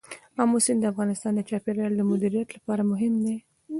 آمو سیند د افغانستان د چاپیریال د مدیریت لپاره مهم دي.